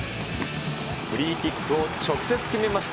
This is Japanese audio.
フリーキックを直接決めました。